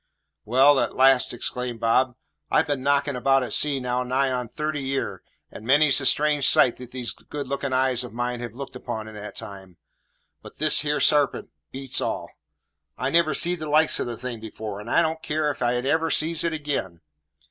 "Well," at last exclaimed Bob, "I've been knocking about at sea now nigh on thirty year, and many's the strange sight these good looking eyes of mine have looked upon in that time; but this here sarpent beats all. I never seed the likes of the thing afore, and I don't care if I never sees it ag'in.